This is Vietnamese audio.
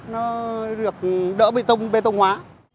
nó được đỡ bê tông bê tông hóa